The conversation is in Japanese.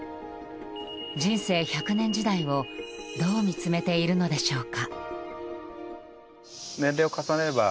人生１００年時代をどう見つめているのでしょうか。